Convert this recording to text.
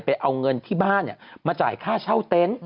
ไปเอาเงินที่บ้านเนี่ยมาจ่ายค่าเช่าเต้น